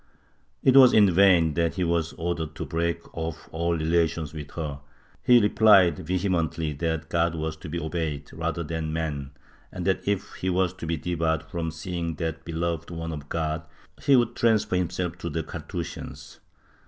It was in vain that he was ordered to break off all relations with her; he replied vehe mently that God was to be obeyed rather than man and that if he was to be debarred from seeing that beloved one of God he would transfer himself to the Carthusians.